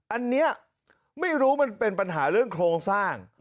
อันนี้ไม่รู้มันเป็นปัญหาเรื่องโครงสร้าง